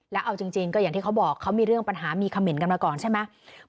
แล้วเอาจริงก็อย่างที่เขาบอกเขามีเรื่องปัญหามีเขม่นกันมาก่อนใช่ไหม